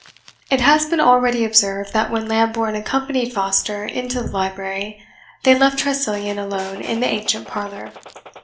It has been already observed, that when Lambourne accompanied Foster into the library, they left Tressilian alone in the ancient parlour.